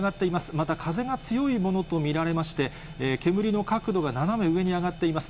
また風が強いものと見られまして、煙の角度が斜め上に上がっています。